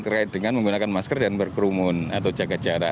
terkait dengan menggunakan masker dan berkerumun atau jaga jarak